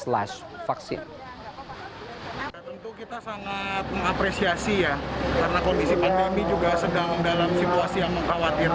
vaksin tentu kita sangat mengapresiasi ya karena kondisi pandemi juga sedang dalam situasi yang mengkhawatirkan